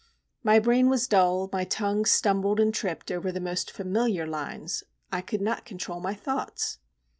My brain was dull, my tongue stumbled and tripped over the most familiar lines, I could not control my thoughts.